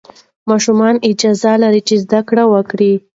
ماشومان اجازه لري زده کړه وکړي.